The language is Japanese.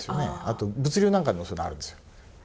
あと物流なんかでもそういうのがあるんですよ。